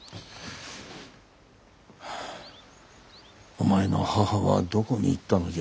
お前の母はどこに行ったのじゃ。